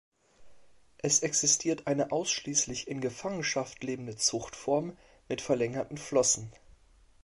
Es existiert eine ausschließlich in Gefangenschaft lebende Zuchtform mit verlängerten Flossen.